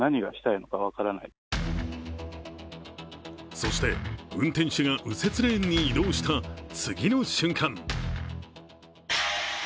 そして運転手が右折レーンに移動した次の瞬間